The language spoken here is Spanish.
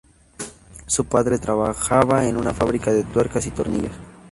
Su padre trabajaba en una fábrica de tuercas y tornillos.